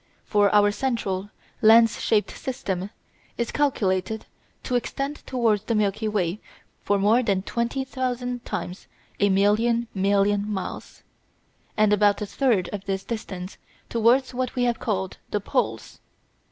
For our central, lens shaped system is calculated to extend towards the Milky Way for more than twenty thousand times a million million miles, and about a third of this distance towards what we have called the poles.